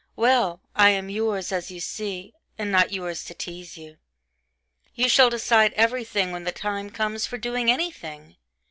Well! I am yours as you see ... and not yours to teaze you. You shall decide everything when the time comes for doing anything